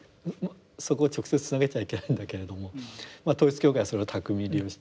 そこを直接つなげちゃいけないんだけれども統一教会はそれを巧みに利用しています。